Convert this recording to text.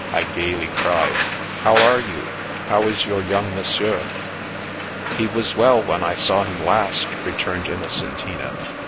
" I gaily cried. " How are you? How is your young Monsieur?" " He was well when I saw him last," returned Innocentina.